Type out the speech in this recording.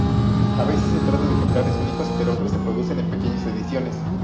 A veces se trata de ejemplares únicos, pero otras se producen en pequeñas ediciones.